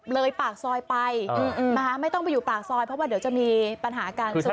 เลยปากซอยไปไม่ต้องไปอยู่ปากซอยเพราะว่าเดี๋ยวจะมีปัญหากัน